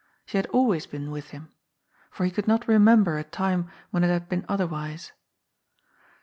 She had always been with him. For he could not remember a time when it had been otherwise.